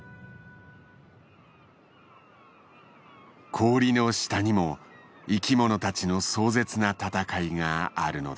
氷の下にも生き物たちの壮絶な戦いがあるのだ。